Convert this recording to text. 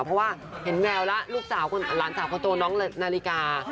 เพราะว่าเห็นแววแล้วลูกสาวหลานสาวคนโตน้องนาฬิกา